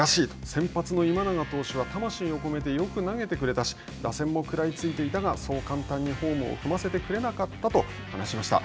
先発の今永投手は魂をこめてよく投げてくれたし打線も食らいついていたが、そう簡単にホームを踏ませてくれなかったと話しました。